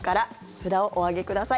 札をお上げください。